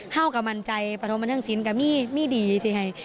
เขาก็มั่นใจปฐมบันเทิงศิลป์ก็มี่ดี